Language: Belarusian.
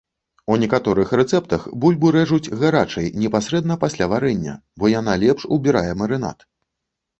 У некаторых рэцэптах бульбу рэжуць гарачай непасрэдна пасля варэння, бо яна лепш убірае марынад.